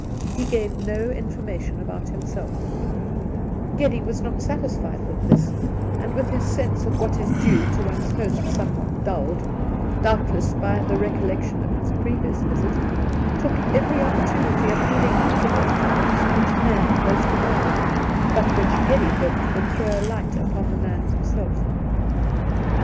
He gave no in formation about himself Geddy was not satisfied with this, and with his sense of what is due to one's host somewhat dulled — doubtless by the recol lection of his previous visit — ^took every opportunity of leading up to those topics which Nairn most avoided, but which Geddy hoped would throw a light upon the man himself.